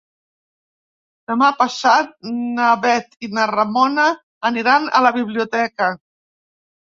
Demà passat na Bet i na Ramona aniran a la biblioteca.